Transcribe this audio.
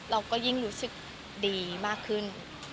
เราก็ยิ่งรู้สึกดีมากขึ้น